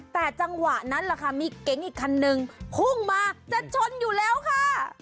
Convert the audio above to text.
แต่จังหวะนั้นแหละค่ะมีเก๋งอีกคันนึงพุ่งมาจะชนอยู่แล้วค่ะ